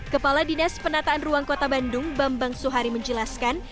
kepala dinas penataan ruang kota bandung bambang suhari menjelaskan